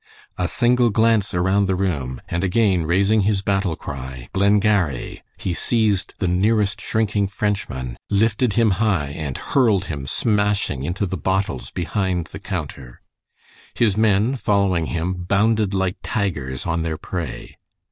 A single glance around the room, and again raising his battle cry, "Glengarry!" he seized the nearest shrinking Frenchman, lifted him high, and hurled him smashing into the bottles behind the counter. His men, following him, bounded like tigers on their prey.